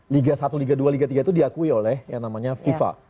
liga satu liga dua liga tiga itu diakui oleh yang namanya fifa